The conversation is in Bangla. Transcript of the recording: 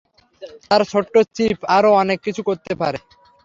তার ছোট্ট চিপ আরও অনেক কিছু করতে পারে।